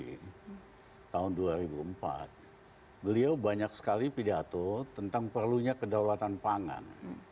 di tahun dua ribu empat beliau banyak sekali pidato tentang perlunya kedaulatan pangan